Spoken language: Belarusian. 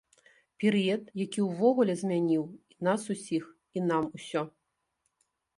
Перыяд, які ўвогуле змяніў і нас усіх, і нам усё.